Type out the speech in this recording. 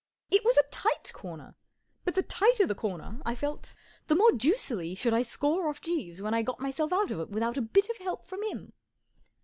It was a tight corner, but the tighter the corner, I felt, the more juicily should I score off Jeeves when I got myself out of it without a bit of help from him.